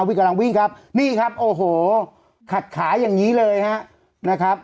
วิ่งกำลังวิ่งครับนี่ครับโอ้โหขัดขาอย่างนี้เลยฮะนะครับ